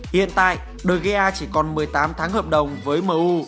hiện tại de gea chỉ còn một mươi tám tháng hợp đồng với m u